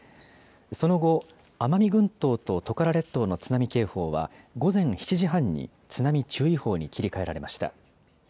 その後、奄美群島とトカラ列島の津波警報は、午前７時半に津波注意報に切り替えられました。